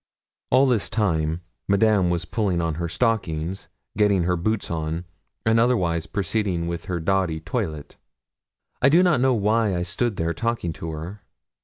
All this time Madame was pulling on her stockings, getting her boots on, and otherwise proceeding with her dowdy toilet. I do not know why I stood there talking to her.